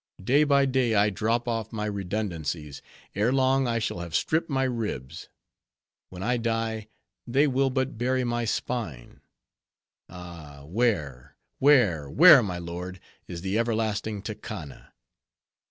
Day by day I drop off my redundancies; ere long I shall have stripped my ribs; when I die, they will but bury my spine. Ah! where, where, where, my lord, is the everlasting Tekana?